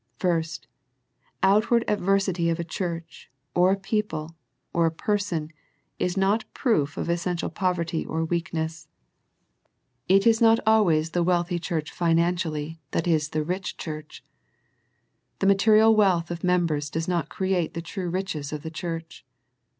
First, outward adversity of a church or a people or a person IS not a proof of essential poverty or weakness. It is not always the wealthy church financially yS A First Century Message that is the rich church. The material wealth of members does not create the true riches of the church.